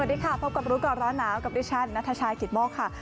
สวัสดีค่ะพบกับรู้ก่อนร้อนหนาวกับดิฉันนัทชายกิตโมกค่ะ